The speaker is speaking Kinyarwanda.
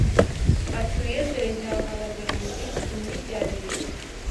Ati Wiyendere Ncyahabaganizi umwijyanire